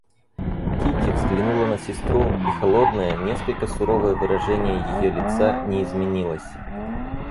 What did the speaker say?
Кити взглянула на сестру, и холодное, несколько суровое выражение ее лица не изменилось.